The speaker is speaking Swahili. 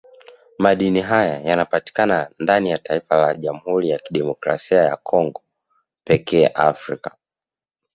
Madini haya yanapatika ndani ya taifa la Jamhuri ya Kidemokrasia ya Congo pekee Afrika